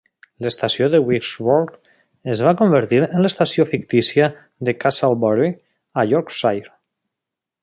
L'estació de Wirksworth es va convertir en l'estació fictícia de 'Castlebury' a Yorkshire.